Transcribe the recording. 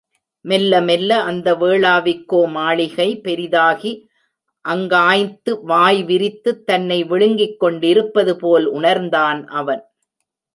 மெல்ல மெல்ல அந்த வேளாவிக்கோ மாளிகை பெரிதாகி அங்காய்த்து வாய் விரித்துத் தன்னை விழுங்கிக்கொண்டிருப்பது போல் உணர்ந்தான் அவன்.